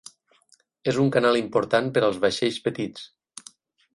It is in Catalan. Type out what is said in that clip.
És un canal important per als vaixells petits.